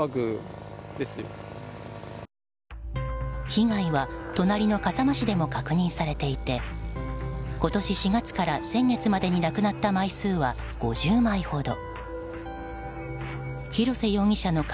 被害は隣の笠間市でも確認されていて今年４月から先月までになくなった枚数は５０枚ほど。